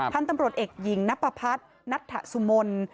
ท่านตำรวจเอกยิงนับประพัทธ์นัตถสุมนต์